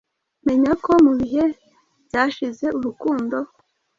Menya ko mubihe byashize Urukundo,